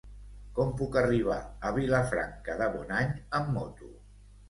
Com puc arribar a Vilafranca de Bonany amb moto?